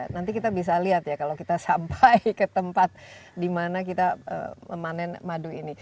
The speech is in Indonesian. nanti kita bisa lihat ya kalau kita sampai ke tempat di mana kita memanen madu ini